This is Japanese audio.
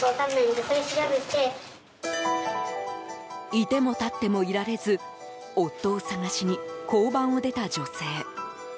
いてもたってもいられず夫を捜しに、交番を出た女性。